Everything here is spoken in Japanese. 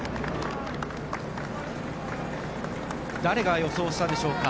誰が予想したでしょうか。